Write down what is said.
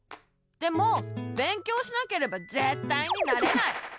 でも勉強しなければぜったいになれない！